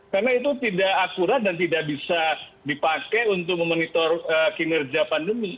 karena itu tidak akurat dan tidak bisa dipakai untuk memonitor kinerja pandemi